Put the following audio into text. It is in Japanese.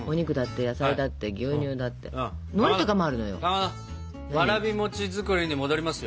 わらび餅作りに戻りますよ。